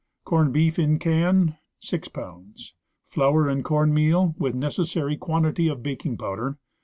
Corned beef, in can .... Flour and corn meal, with necessary quantity of baking powder